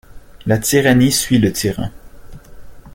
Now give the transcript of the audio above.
La tyrannie suit le tyran.